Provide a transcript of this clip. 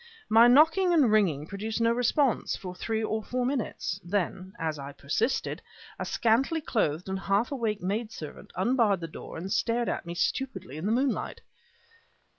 My knocking and ringing produced no response for three or four minutes; then, as I persisted, a scantily clothed and half awake maid servant unbarred the door and stared at me stupidly in the moonlight.